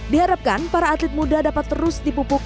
diharapkan para atlet muda dapat terus dipupuk